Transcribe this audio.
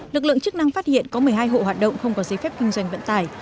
lực lượng chức năng phát hiện có một mươi hai hộ hoạt động không có giấy phép kinh doanh vận tải